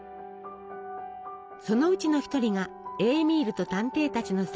そのうちの１人が「エーミールと探偵たち」の作者ケストナー。